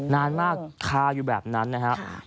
นานมากคาอยู่แบบนั้นนะครับ